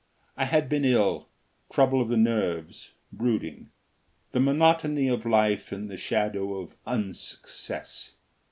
I had been ill; trouble of the nerves, brooding, the monotony of life in the shadow of unsuccess.